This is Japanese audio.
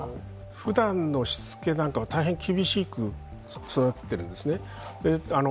ふだんのしつけなんかは大変厳しく育てているんですね。